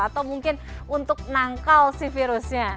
atau mungkin untuk nangkal si virusnya